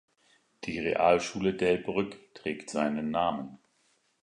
Die Realschule Delbrück trägt seinen Namen.